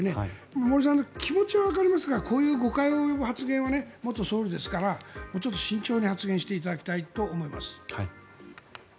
森さんの気持ちはわかりますがこういう誤解を呼ぶ発言は元総理ですからもうちょっと慎重に発言していただきたいと思います。